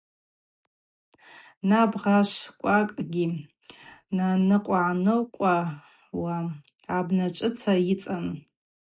Набгъашвквакӏгьи наныкъвагӏаныкъвауа абначвыцӏа йыцӏан.